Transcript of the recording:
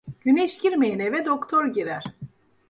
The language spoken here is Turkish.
Güneş girmeyen eve doktor girer.